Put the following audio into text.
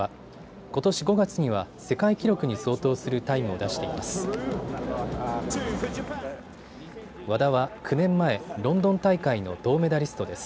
ことし５月には世界記録に相当するタイムを出しています。